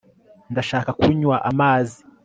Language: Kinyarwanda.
ndashaka kunywa amazi